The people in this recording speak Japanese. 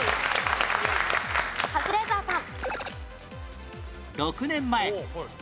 カズレーザーさん。